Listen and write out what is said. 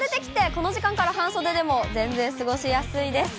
この時間から半袖でも全然過ごしやすいです。